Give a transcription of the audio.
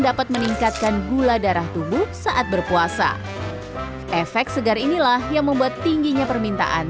dapat meningkatkan gula darah tubuh saat berpuasa efek segar inilah yang membuat tingginya permintaan